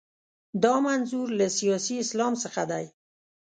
دا منظور له سیاسي اسلام څخه دی.